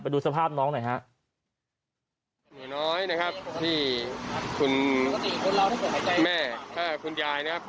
ดูสภาพน้องหน่อยฮะ